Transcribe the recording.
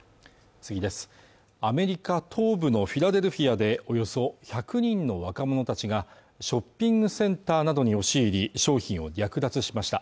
アメリカ東部のフィラデルフィアでおよそ１００人の若者たちがショッピングセンターなどに押し入り商品を略奪しました